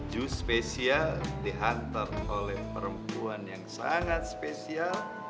jus spesial dihantar oleh perempuan yang sangat spesial